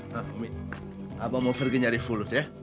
nah umi abang mau pergi nyari fulus ya